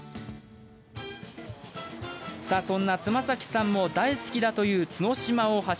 さあ、そんな妻崎さんも大好きだという角島大橋。